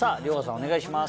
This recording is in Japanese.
お願いします。